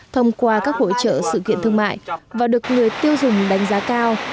thông qua các hội trợ sự kiện thương mại và được người tiêu dùng đánh giá cao